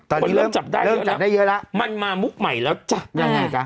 ตอนนี้เริ่มจับได้เยอะแล้วมันมามุกใหม่แล้วจัด